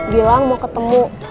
bilang mau ketemu